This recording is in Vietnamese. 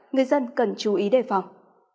người dân cần chú ý đề phòng